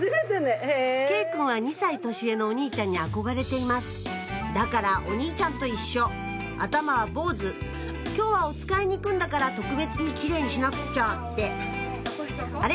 慶くんは２歳年上のお兄ちゃんに憧れていますだからお兄ちゃんと一緒頭は坊ず今日はおつかいに行くんだから特別にキレイにしなくちゃってあれ？